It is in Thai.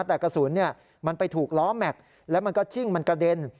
แต่กระสุนมันไปถูกล้อแม็กซ์แล้วมันก็จิ้งมันกระเด็น